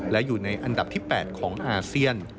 และอยู่ในอันดับที่๘ของอาเซียน